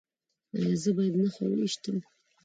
ایا زه باید نښه وویشتم؟